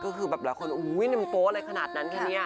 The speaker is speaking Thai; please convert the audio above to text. ก็คือแบบหลายคนนำโป๊อะไรขนาดนั้นคะเนี่ย